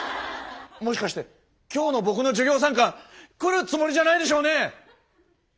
もしかして今日の僕の授業参観来るつもりじゃないでしょうね？